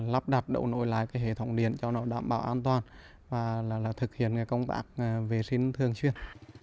lắp đạp đậu nội lại hệ thống điện cho đảm bảo an toàn và thực hiện công tác vệ sinh thường chuyên